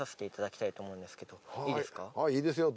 いいですよ